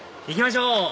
行きましょう！